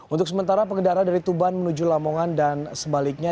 untuk sementara pengendara dari tuban menuju lamongan dan sebaliknya